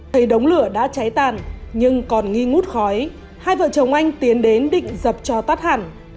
thấy đống lửa đã cháy tàn nhưng còn nghi ngút khói hai vợ chồng anh tiến đến định dập cho tát hẳn